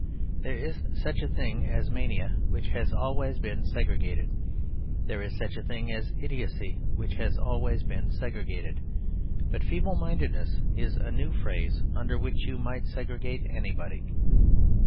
There is such a thing as mania, which has always been segregated; there is such a thing as idiotcy, which has always been segregated; but feeble mindedness is a new phrase under which you might segregate anybody.